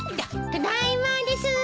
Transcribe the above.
ただいまですー。